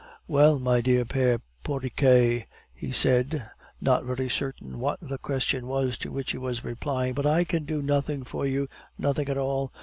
"Well, my dear pere Porriquet," he said, not very certain what the question was to which he was replying, "but I can do nothing for you, nothing at all.